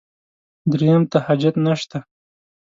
درېیم ته حاجت نشته.